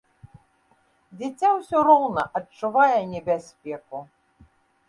Дзіця ўсё роўна адчувае небяспеку.